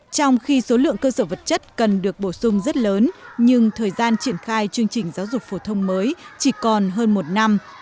trong khi số lượng cơ sở vật chất cần được bổ sung rất lớn nhưng thời gian triển khai chương trình giáo dục phổ thông mới chỉ còn hơn một năm